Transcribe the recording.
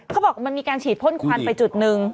เขาบอกมันมีการฉีดพ่นควันไปจุดหนึ่ง